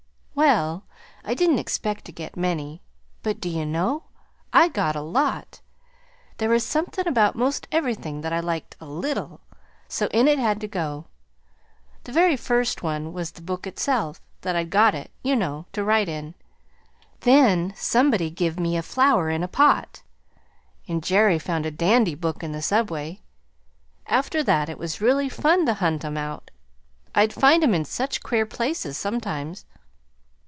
"Well, I didn't expect to get many, but do you know? I got a lot. There was somethin' about 'most everythin' that I liked a LITTLE, so in it had to go. The very first one was the book itself that I'd got it, you know, to write in. Then somebody give me a flower in a pot, and Jerry found a dandy book in the subway. After that it was really fun to hunt 'em out I'd find 'em in such queer places, sometimes.